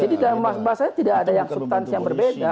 jadi dalam bahasa saya tidak ada yang berbeda